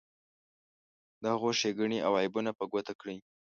د هغو ښیګڼې او عیبونه په ګوته کړئ.